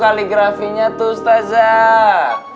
kaligrafinya tuh ustazah